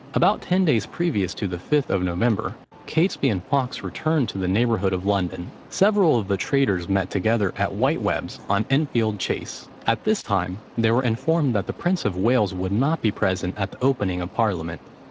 About ten days previous to the Fifth of November, Catesby and Fawkes returned to the neighbourhood of London. Several of the traitors met together at White Webbs, on Enfield Chase. At this time, they were informed, that the prince of Wales would not be present at the opening of parliament.